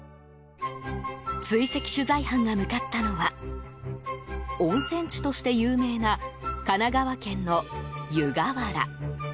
追跡取材班が向かったのは温泉地として有名な神奈川県の湯河原。